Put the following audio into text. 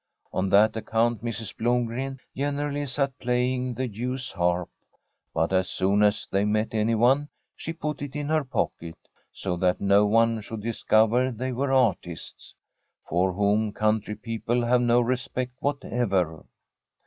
On that ac count Mrs. Blomgren generally sat playing the Jews' harp, but as soon as they met anyone, she put it in her pocket, so that no one should dis cover they were artists, for whom country people have no respect whatever.